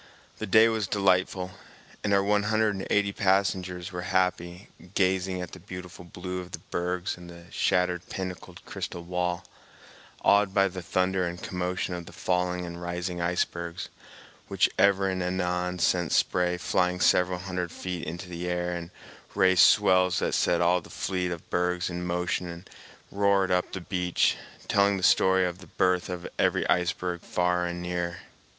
The day was delightful, and our one hundred and eighty passengers were happy, gazing at the beautiful blue of the bergs and the shattered pinnacled crystal wall, awed by the thunder and commotion of the falling and rising ice bergs, which ever and anon sent spray flying several hundred feet into the air and raised swells that set all the fleet of bergs in motion and roared up the beach, telling the story of the birth of every iceberg far and near.